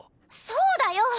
そうだよ！